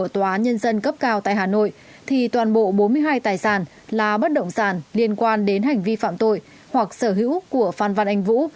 thì toàn bộ bốn mươi hai tài sản là bất động sản liên quan đến hành vi phạm tội hoặc sở hữu của phan văn anh vũ